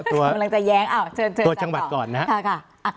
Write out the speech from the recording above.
ตัวจังหวัดก่อนนะครับ